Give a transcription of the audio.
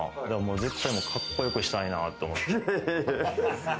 絶対かっこよくしたいなぁと思って。